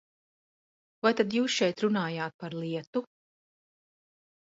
Vai tad jūs šeit runājāt par lietu?